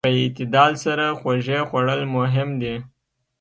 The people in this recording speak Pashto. په اعتدال سره خوږې خوړل مهم دي.